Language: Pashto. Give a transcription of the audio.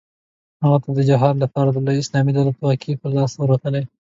هغه ته د جهاد لپاره د لوی اسلامي دولت واګې په لاس ورتلې.